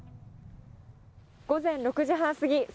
午前６時半過ぎ。